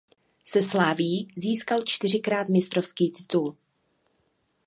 Se Slavií získal čtyřikrát mistrovský titul.